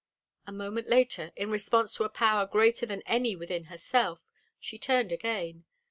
A moment later, in response to a power greater than any within herself, she turned again.